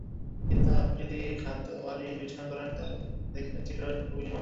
কিন্তু আপনি যদি খাতওয়ারি বিবেচনা করেন তাহলে দেখবেন, চিত্রটা খুবই নির্মম।